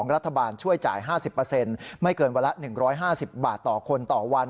รัฐบาลช่วยจ่าย๕๐ไม่เกินวันละ๑๕๐บาทต่อคนต่อวัน